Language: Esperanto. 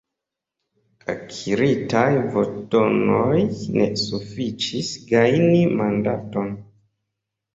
Akiritaj voĉdonoj ne sufiĉis gajni mandaton.